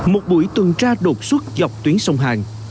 một buổi tuần tra đột xuất dọc tuyến sông hàng